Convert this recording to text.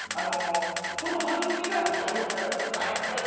この番組が仮押さえだったんです。